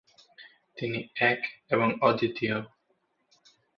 তিনি "এক এবং অদ্বিতীয়"।